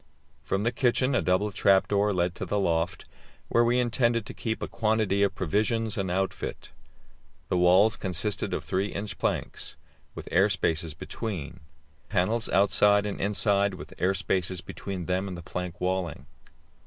From the kitchen a double trap door led to the loft, where we intended to keep a quantity of provisions and outfit. The walls consisted of 3 inch planks, with air space between; panels outside and inside, with air space between them and the plank walling.